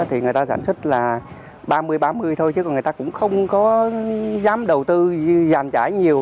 thì người ta sản xuất là ba mươi tám mươi thôi chứ còn người ta cũng không có dám đầu tư giàn trải nhiều